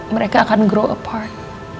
mereka akan grow apart